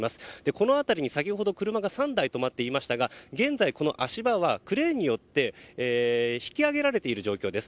この辺りに車が３台止まっていましたが現在この足場はクレーンによって引き上げられている状況です。